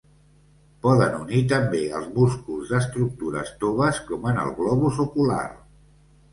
Poden unir també els músculs d'estructures toves com en el globus ocular.